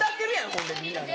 ほんでみんなも。